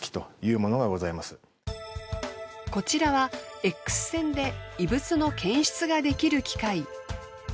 こちらはＸ線で異物の検出ができる機械。